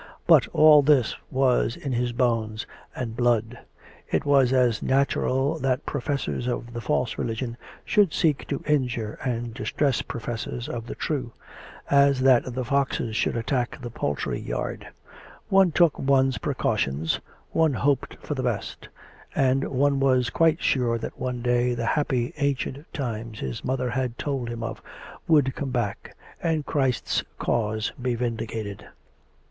But all this was in his bones and blood; it was as natural that professors of the false religion should seek to injure and distress professors of the true, as that the foxes should at tack the poultry yard. One took one's precautions, one hoped for the best; and one was quite sure that one day the happy ancient times his mother had told him of would come back, and Christ's cause be vindicated.